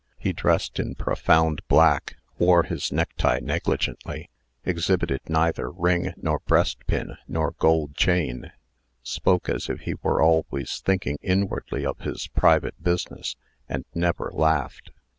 He dressed in profound black, wore his necktie negligently, exhibited neither ring nor breastpin nor gold chain, spoke as if he were always thinking inwardly of his private business, and never laughed.